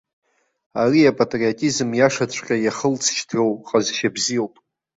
Ари апатриотизм иашаҵәҟьа иахылҵшьҭроу ҟазшьа бзиоуп.